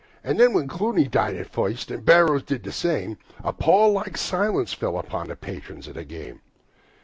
And then when Cooney died at first, and Burrows did the same, A sickly silence fell upon the patrons of the game.